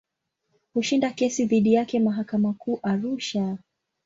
Kushinda kesi dhidi yake mahakama Kuu Arusha.